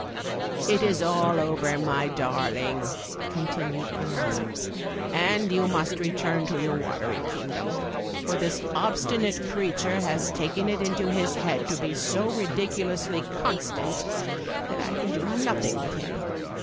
"It is all over, my darling," continued Marmotta, "and you must return to your watery kingdom; for this obstinate creature has taken it into his head to be so ridiculously constant that I can do nothing with him.